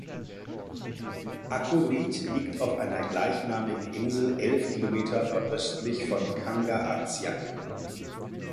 Akulliit liegt auf einer gleichnamigen Insel elf Kilometer nordöstlich von Kangaatsiaq.